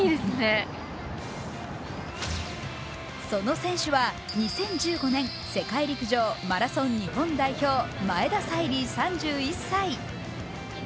その選手は、２０１５年世界陸上マラソン日本代表、前田彩里３１歳。